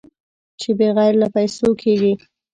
چې بغیر له پېسو کېږي.